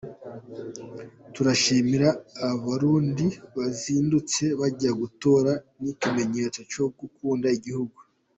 Turashimira Abarundi bazindutse bajya gutora, ni ikimenyetso cyo gukunda igihugu”.